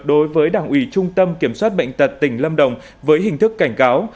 đối với đảng ủy trung tâm kiểm soát bệnh tật tỉnh lâm đồng với hình thức cảnh cáo